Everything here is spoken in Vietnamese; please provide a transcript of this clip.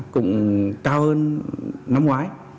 cũng cao hơn năm ngoái